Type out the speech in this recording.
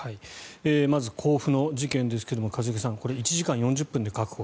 まず、甲府の事件ですが一茂さん、これ１時間４０分で確保。